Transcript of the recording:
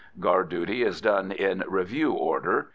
Guard duty is done in "review order."